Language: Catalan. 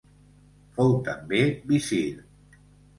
Fou també visir.